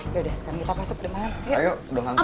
yaudah yuk bu sekarang kita masuk ke malam